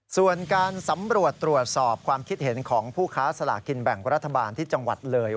ส่วนการสำรวจตรวจสอบความคิดเห็นของผู้ค้าสลากินแบ่งรัฐบาลที่จังหวัดเลย